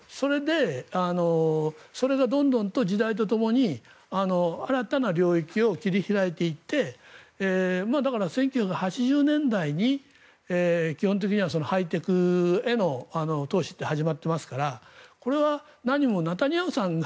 それがどんどんと時代とともに新たな領域を切り開いていってだから、１９８０年代に基本的にはハイテクへの投資って始まっていますからこれは何もネタニヤフさんが